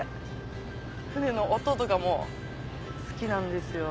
船の音とかも好きなんですよ。